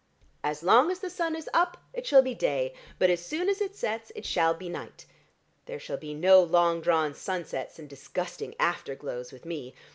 As long as the sun is up it shall be day, but as soon as it sets it shall be night. There shall be no long drawn sunsets and disgusting after glows with me.